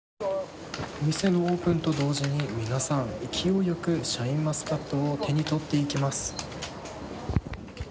お店のオープンと同時に皆さん勢いよくシャインマスカットを手にしていきます。